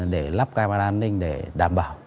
để lắp camera an ninh để đảm bảo